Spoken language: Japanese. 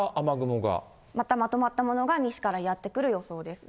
またまとまったものが西からやって来る予想です。